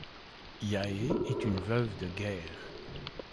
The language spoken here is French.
Yaé est une veuve de guerre.